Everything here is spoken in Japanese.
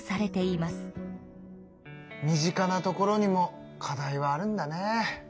身近なところにも課題はあるんだね。